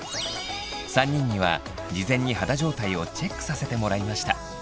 ３人には事前に肌状態をチェックさせてもらいました。